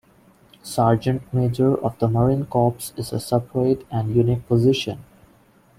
Sergeant Major of the Marine Corps is a separate and unique position.